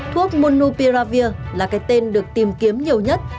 thuốc monupiravir là cái tên được tìm kiếm nhiều nhất